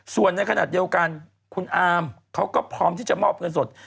ส่วนในขณะเดียวกันคุณอาร์มเขาก็พร้อมที่จะมอบเงินสด